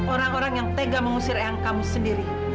orang orang yang tega mengusir ayah kamu sendiri